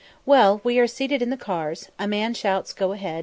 Well, we are seated in the cars; a man shouts "Go a head!"